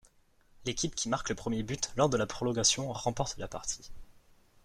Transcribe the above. L'équipe qui marque le premier but lors de la prolongation remporte la partie.